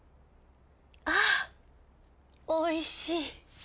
あおいしい。